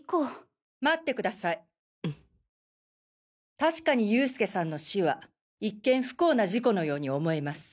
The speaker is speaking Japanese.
確かに佑助さんの死は一見不幸な事故のように思えます。